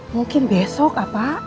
mungkin besok apa